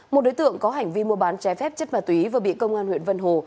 một đối tượng có hành vi mua bán trái phép chất ma túy vừa bị công an huyện vân hồ